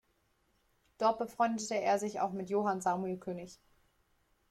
Dort befreundete er sich auch mit Johann Samuel König.